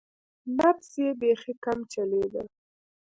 نبض یې بیخي کم چلیده.